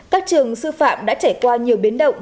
các trường sư phạm đã trải qua nhiều biến động